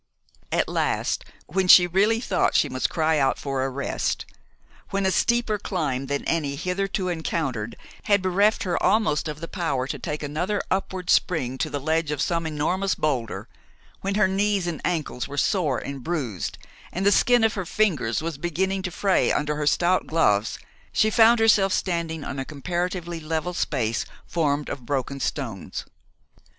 At last, when she really thought she must cry out for a rest, when a steeper climb than any hitherto encountered had bereft her almost of the power to take another upward spring to the ledge of some enormous boulder, when her knees and ankles were sore and bruised, and the skin of her fingers was beginning to fray under her stout gloves, she found herself standing on a comparatively level space formed of broken stones.